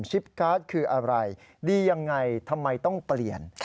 ชิปการ์ดคืออะไรดียังไงทำไมต้องเปลี่ยน